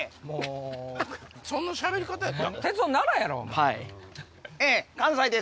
そんなしゃべり方やった？